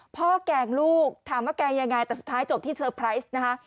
แกล้งลูกถามว่าแกล้งยังไงแต่สุดท้ายจบที่เซอร์ไพรส์นะคะ